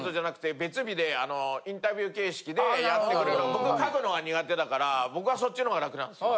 僕書くのが苦手だから僕はそっちの方が楽なんです。